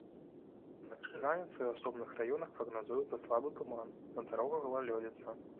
Уначы і раніцай у асобных раёнах прагназуецца слабы туман, на дарогах галалёдзіца.